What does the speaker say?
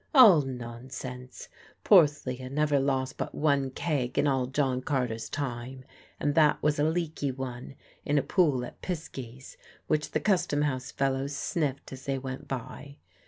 All nonsense! Porthleah never lost but one keg in all John Carter's time, and that was a leaky one in a pool at Pisky's which the custom house fellows sniffed as they went by.